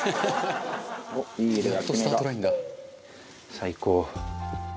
最高。